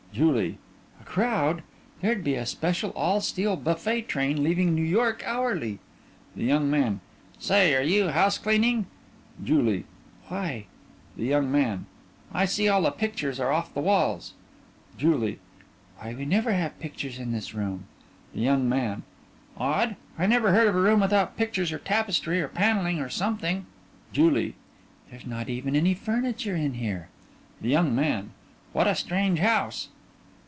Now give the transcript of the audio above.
JULIE: A crowd? There'd be a special, all steel, buffet train leaving New York hourly. THE YOUNG MAN: Say, are you house cleaning? JULIE: Why? THE YOUNG MAN: I see all the pictures are off the walls. JULIE: Why, we never have pictures in this room. THE YOUNG MAN: Odd, I never heard of a room without pictures or tapestry or panelling or something. JULIE: There's not even any furniture in here. THE YOUNG MAN: What a strange house!